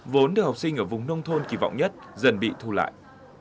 vốn được học sinh ở vùng nông thôn kỳ vọng nhất dần bị thu lại